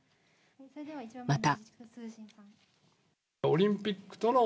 また。